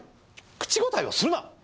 口答えをするな！